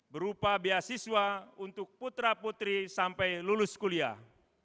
berupa beasiswa untuk putra putri sampai lulus kuliah